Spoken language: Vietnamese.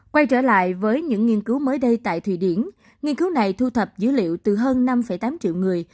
quay trở lại với những nghiên cứu mới đây tại thụy điển nghiên cứu này thu thập dữ liệu từ hơn năm tám triệu người